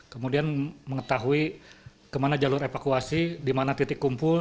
kemudian mengetahui kemana jalur evakuasi di mana titik kumpul